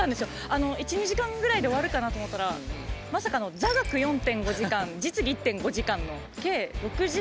１２時間ぐらいで終わるかなと思ったらまさかの座学４．５時間実技１．５時間の計６時間。